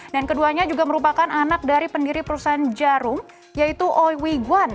dan keduanya juga merupakan anak dari pendiri perusahaan jarum yaitu oiwi guan